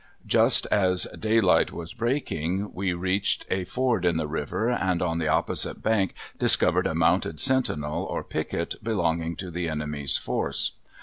Just as daylight was breaking we reached a ford on the river, and on the opposite bank discovered a mounted sentinel or picket belonging to the enemy's force.